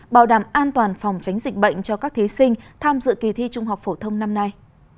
bảo đảm an toàn phòng tránh dịch bệnh cho các thí sinh tham dự kỳ thi trung học phổ thông năm nay